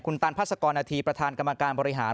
ตันพาสกรณาธีประธานกรรมการบริหาร